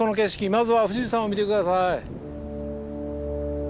まずは富士山を見て下さい。